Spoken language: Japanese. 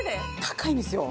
高いんですよ